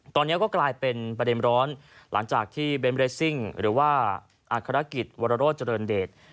ตอนนี้ก็กลายเป็นประเด็นร้อนหลังจากที่เบนเรสซิ่งหรือว่าอัครกิจวรโรธเจริญเดช